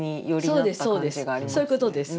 そういうことです。